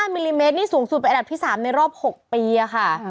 มิลลิเมตรนี่สูงสุดเป็นอันดับที่๓ในรอบ๖ปีค่ะ